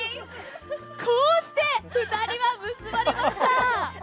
こうして２人は結ばれました